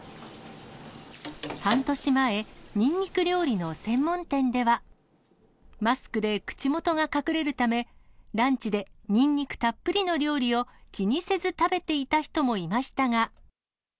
半年前、ニンニク料理の専門店では、マスクで口元が隠れるため、ランチでニンニクたっぷりの料理を気にせず食べていた人もいまし